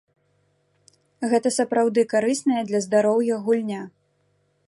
Гэта сапраўды карысная для здароўя гульня.